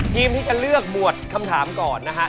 ทีมที่จะเลือกบวชคำถามก่อนนะฮะ